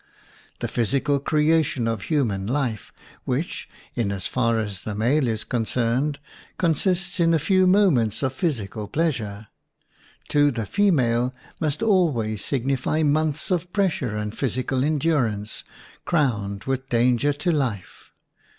The physical creation of hu man life, which, in as far as the male is concerned, consists in a few moments of physical pleasure, to the female must always signify months of pressure and physical endurance, crowned with dan ger to life.